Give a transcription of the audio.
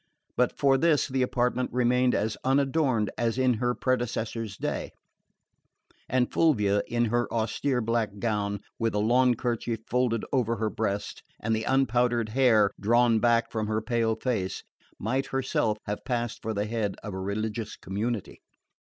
But for this the apartment remained as unadorned as in her predecessor's day; and Fulvia, in her austere black gown, with a lawn kerchief folded over her breast, and the unpowdered hair drawn back from her pale face, might herself have passed for the head of a religious community.